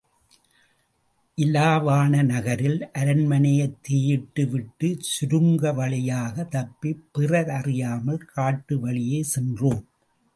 இலாவாண நகரில் அரண்மனையைத் தீயிட்டுவிட்டுச் சுருங்க வழியாகத் தப்பிப் பிறரறியாமல் காட்டு வழியே சென்றோம்.